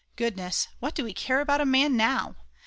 Goodness, what do we care about a man now!